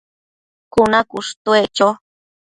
cuna cushtuec cho